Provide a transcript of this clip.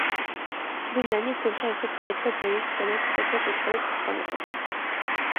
წმინდანი ძმებთან ერთად მიადგა ბერის სენაკს ლოცვა-კურთხევის სათხოვნელად.